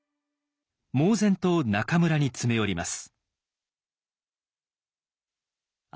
猛然と中村に詰め寄ります。